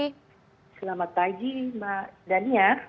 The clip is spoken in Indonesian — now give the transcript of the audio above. selamat pagi mbak daniar